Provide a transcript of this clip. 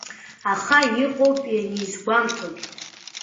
Аха иҟоуп ианизгәамҭогь.